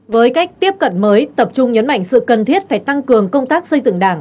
với cách tiếp cận mới tập trung nhấn mạnh sự cần thiết phải tăng cường công tác xây dựng đảng